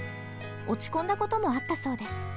落ち込んだ事もあったそうです。